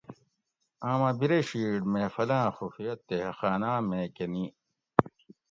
آمہ بِرے شِیٹ محلاں خفیہ تہہ خاناۤ میک نی